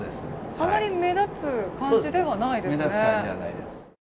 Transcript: あまり目立つ感じではないですね。